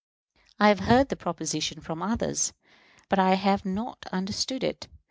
I have heard the proposition from others; but I have not understood it.